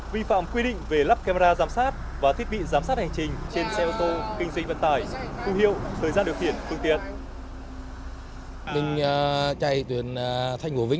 vi phạm quy định về lắp camera giám sát và thiết bị giám sát hành trình trên xe ô tô kinh doanh vận tải khu hiệu thời gian điều khiển phương tiện